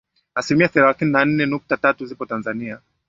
asilimia thelathini na nne nukta tatu zipo Tanzania